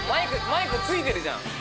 マイクついてるじゃん。